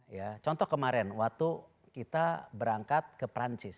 ya contoh kemarin waktu kita berangkat ke perancis